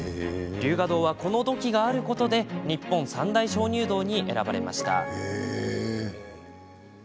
龍河洞はこの土器があることで日本三大鍾乳洞に選ばれました。